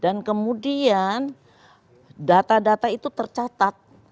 dan kemudian data data itu tercatat